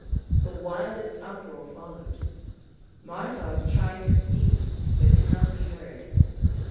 The wildest uproar followed. Martov tried to speak, but could not be heard.